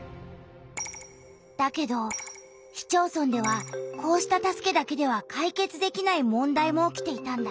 だけど市町村ではこうした助けだけでは解決できない問題も起きていたんだ。